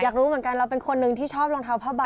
รู้เหมือนกันเราเป็นคนนึงที่ชอบรองเท้าผ้าใบ